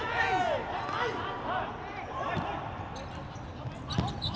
สวัสดีครับทุกคน